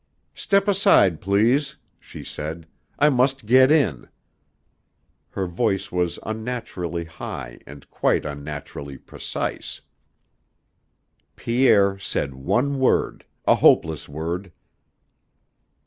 "Step aside, please," she said; "I must get in." Her voice was unnaturally high and quite unnaturally precise. Pierre said one word, a hopeless word.